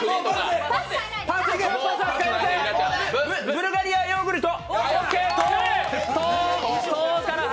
ブルガリアヨーグルト！